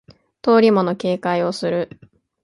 通り魔の警戒をする